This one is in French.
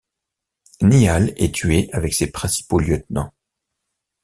Niall est tué avec ses principaux lieutenants.